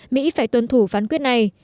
mỹ phải tuân thủ phán quyết này